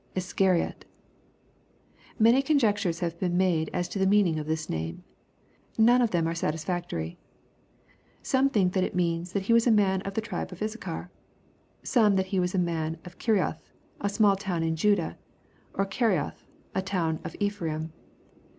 [Iscariot] Many conjectures have been made as to the meaning ci this name. None of them are satisfactory. Soma think that it means that he was a man of the tribe of Issachar,— some that ke was a man of Kirioth, a small town in Judah, or Carioth, a town ^f Ephraim.